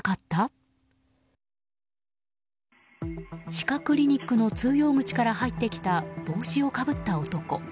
歯科クリニックの通用口から入ってきた帽子をかぶった男。